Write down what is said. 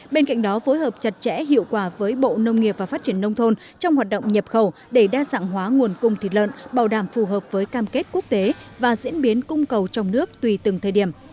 bên cạnh đó phối hợp chặt chẽ hiệu quả với bộ nông nghiệp và phát triển nông thôn trong hoạt động nhập khẩu để đa dạng hóa nguồn cung thịt lợn bảo đảm phù hợp với cam kết quốc tế và diễn biến cung cầu trong nước tùy từng thời điểm